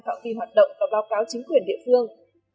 phạm vi hoạt động và báo cáo chính quyền địa phương